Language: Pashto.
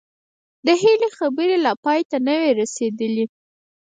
د هيلې خبرې لا پای ته نه وې رسېدلې